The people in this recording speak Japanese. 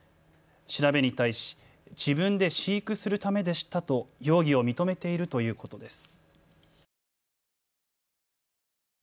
調べに対し自分で飼育するためでしたと容疑を認めているということです。